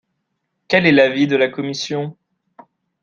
Quel est l’avis de la commission?